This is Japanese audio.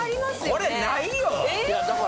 これないよ！